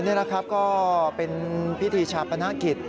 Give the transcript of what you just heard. นี่แหละครับก็เป็นพิธีชาปนกิจ